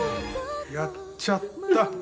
やっちゃった。